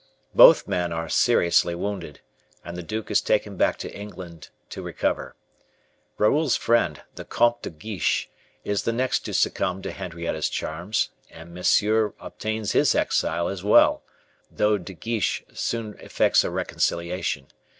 Both men are seriously wounded, and the duke is taken back to England to recover. Raoul's friend, the Comte de Guiche, is the next to succumb to Henrietta's charms, and Monsieur obtains his exile as well, though De Guiche soon effects a reconciliation.